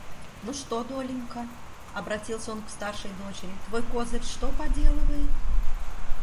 Ну что, Долинька, — обратился он к старшей дочери, — твой козырь что поделывает?